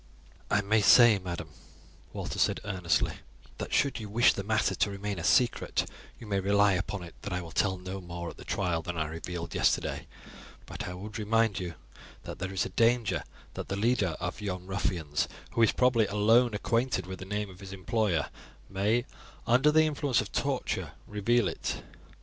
"I may say, madam," Walter said earnestly, "that should you wish the matter to remain a secret, you may rely upon it that I will tell no more at the trial than I revealed yesterday; but I would remind you that there is a danger that the leader of yon ruffians, who is probably alone acquainted with the name of his employer, may, under the influence of the torture, reveal it."